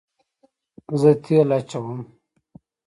زه تیل اچوم